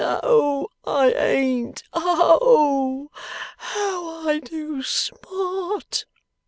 'No, I ain't. Oh h h! how I do smart!